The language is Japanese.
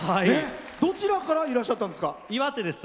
どちらからいらっしゃったんですか。